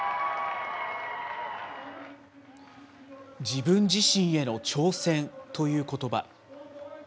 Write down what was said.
自分自身への挑戦ということば。